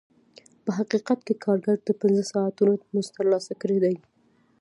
په حقیقت کې کارګر د پنځه ساعتونو مزد ترلاسه کړی دی